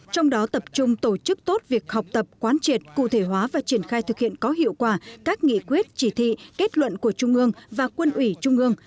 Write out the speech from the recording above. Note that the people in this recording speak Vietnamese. trong đó tập trung tổ chức tốt việc học tập quán triệt cụ thể hóa và triển khai thực hiện có hiệu quả các nghị quyết chỉ thị kết luận của trung ương và quân ủy trung ương